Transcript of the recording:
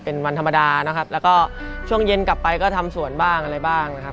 เป็นวันธรรมดานะครับแล้วก็ช่วงเย็นกลับไปก็ทำสวนบ้างอะไรบ้างนะครับ